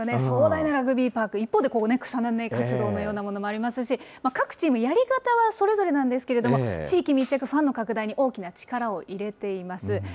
壮大なラグビーパーク、一方で草の根活動のようなものもありますし、各チームやり方はそれぞれなんですけれども、地域密着、ファンの拡大に大きな力を入れています。